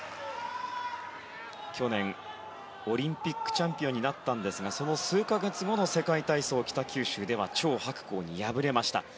去年オリンピックチャンピオンになったんですがその数か月後の世界体操北九州ではチョウ・ハクコウに敗れました。